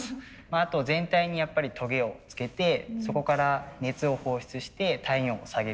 あと全体にやっぱりトゲをつけてそこから熱を放出して体温を下げる。